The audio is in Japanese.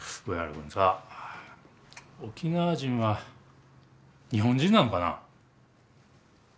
君さ沖縄人は日本人なのかな。